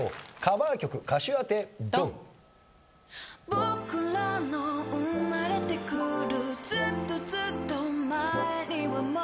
「僕らの生まれてくるずっとずっと前にはもう」